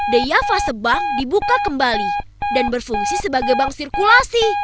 deyava sebang dibuka kembali dan berfungsi sebagai bank sirkulasi